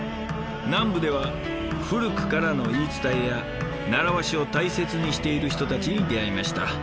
南部では古くからの言い伝えや習わしを大切にしている人たちに出会いました。